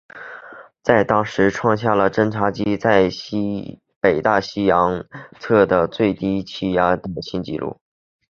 这在当时创下了侦察机在北大西洋测得最低气压的新纪录。